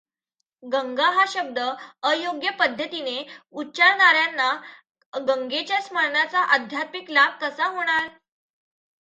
गंगा हा शब्द अयोग्य पद्धतीने उच्चारणार् यांना गंगेच्या स्मरणाचा आध्यात्मिक लाभ कसा होणार?